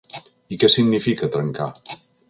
I què significar “trencar”?